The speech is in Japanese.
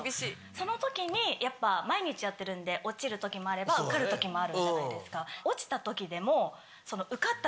その時に毎日やってるんで落ちる時もあれば受かる時もあるじゃないですか。